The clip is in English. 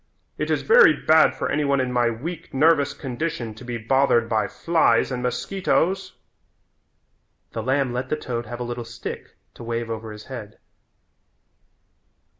It is very bad for any one in my weak, nervous condition to be bothered by flies and mosquitoes." The lamb let the toad have a little stick to wave over his head.